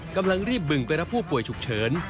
กำลังรีบบึงไปรับผู้ป่วยฉุกเฉิน